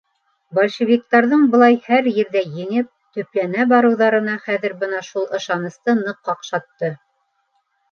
Большевиктарҙың былай һәр ерҙә еңеп, төпләнә барыуҙары хәҙер бына шул ышанысты ныҡ ҡаҡшатты.